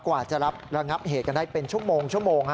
กว่าจะรับระงับเหตุกันได้เป็นชั่วโมง